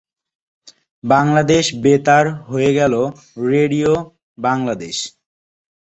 বাংলাদেশ বেতার হয়ে গেল রেডিও বাংলাদেশ।